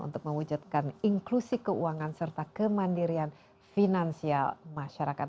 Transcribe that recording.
untuk mewujudkan inklusi keuangan serta kemandirian finansial masyarakat